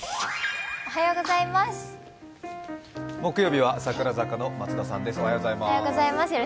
木曜日は櫻坂の松田さんです。